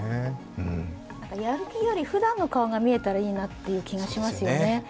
やる気よりふだんの顔が見えたらいいなという気がしますよね。